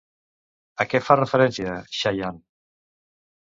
A què fa referència Xayan?